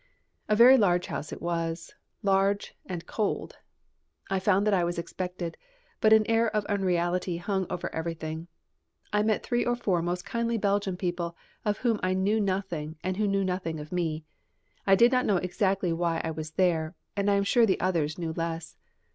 A very large house it was, large and cold. I found that I was expected; but an air of unreality hung over everything. I met three or four most kindly Belgian people of whom I knew nothing and who knew nothing of me. I did not know exactly why I was there, and I am sure the others knew less.